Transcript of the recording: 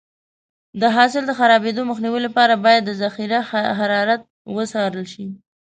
د حاصل د خرابېدو مخنیوي لپاره باید د ذخیره حرارت وڅارل شي.